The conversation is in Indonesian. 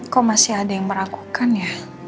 kok masih ada yang merakokan ya